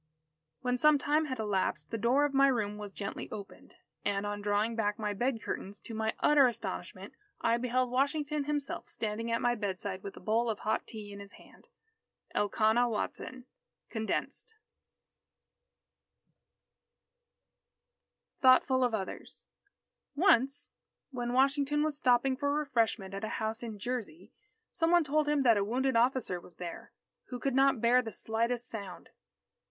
When some time had elapsed, the door of my room was gently opened. And, on drawing back my bed curtains, to my utter astonishment, I beheld Washington himself standing at my bedside with a bowl of hot tea in his hand. Elkanah Watson (Condensed) THOUGHTFUL OF OTHERS Once, when Washington was stopping for refreshment at a house in Jersey, some one told him that a wounded officer was there, who could not bear the slightest sound.